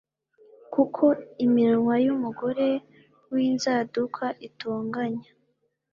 kuko iminwa y umugore w inzaduka itonyanga